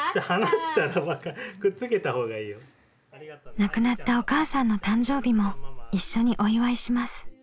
亡くなったお母さんの誕生日も一緒にお祝いします。